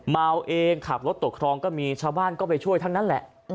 เมาเองขับรถตกครองก็มีชาวบ้านก็ไปช่วยทั้งนั้นแหละ